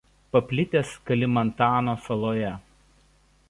Paplitęs Kalimantano saloje.